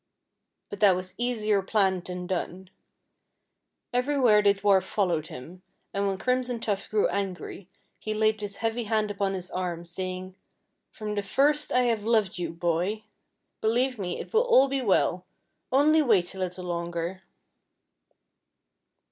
But that was easier planned than done. Everywhere the dwarf followed him, and when Crimson Tuft grew angry he laid his heavy hand upon his arm, saying, "from the first I have loved you, boy, believe me it will all be well only wait a little longer."